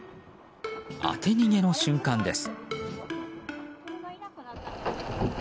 当て逃げの瞬間です。